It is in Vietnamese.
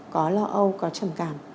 có lo âu có trầm cảm